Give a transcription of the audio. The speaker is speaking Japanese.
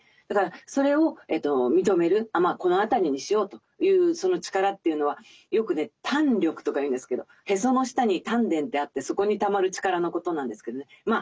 だからそれを認める「まあこの辺りにしよう」というその力というのはよくね胆力とか言うんですけどへその下に丹田ってあってそこにたまる力のことなんですけどね。